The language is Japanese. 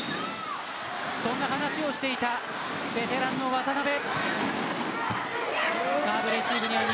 そんな話をしていたベテランの渡邊。